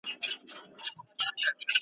مودې وسوې چا یې مخ نه وو لیدلی .